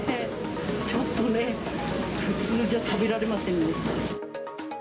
ちょっとね、普通じゃ食べられませんね。